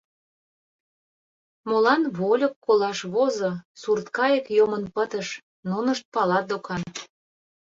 Молан вольык колаш возо, сурткайык йомын пытыш — нунышт палат докан.